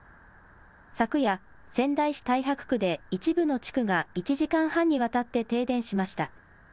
昨夜、仙台市太白区で一部の地区が１時間半にわたって停電しました。